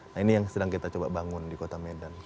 nah ini yang sedang kita coba bangun di kota medan